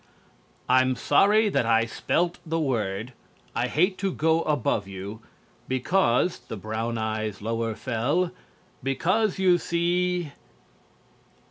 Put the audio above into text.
"'_I'm sorry that I spelt the word, I hate to go above you, Because ' the brown eyes lower fell, 'Because, you see